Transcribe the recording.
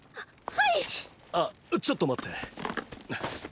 あちょっと待って！